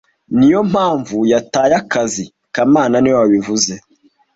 Niyo mpamvu yataye akazi kamana niwe wabivuze